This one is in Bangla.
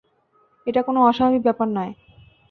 এটা কোনো অস্বাভাবিক ব্যাপার নয়।